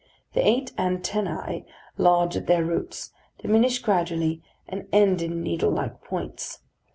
The eight antennæ, large at their roots, diminish gradually, and end in needle like points.